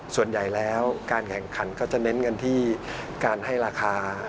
ส่วนใหญ่แล้วการแข่งขันก็จะเน้นกันที่การให้ราคา